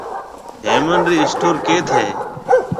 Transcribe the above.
هيَمن رِي اسٽور ڪيٿ هيَ؟